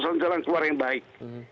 dan satu jalan keluar yang baik